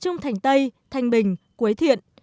trung thành tây thanh bình quế thiện